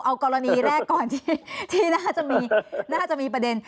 เอากรณีแรกก่อนที่น่าจะมีประเด็น